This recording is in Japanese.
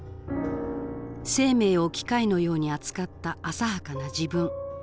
「生命を機械のように扱った浅はかな自分」。